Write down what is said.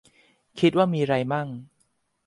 คิดว่ามีไรมั่ง ?